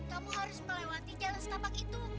kamu harus melewati jalan setapak itu